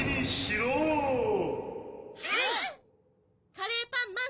カレーパンマン！